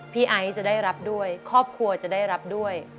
พี่ไอ้จะได้รับด้วย